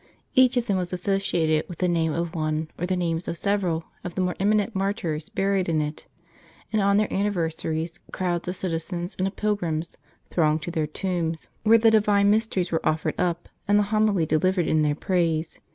Each of them was associated with the name of one, or the names of several, of the more eminent martyrs buried in it ; and, on their anniversaries, crowds of citizens and of pilgrims thi onged to their tombs, where the Divine mysteries were offered up, and the homily delivered in their praise.